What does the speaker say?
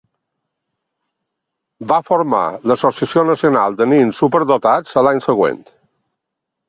Va formar l'associació nacional de nens superdotats a l'any següent.